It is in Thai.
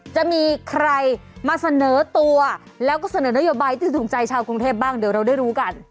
จะมีใครมาเสนอตัวแล้วก็เสนอนโยบายที่ถูกใจชาวกรุงเทพบ้างเดี๋ยวเราได้รู้กัน